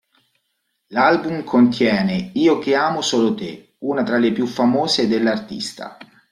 L'album contiene "Io che amo solo te", una tra le più famose dell'artista.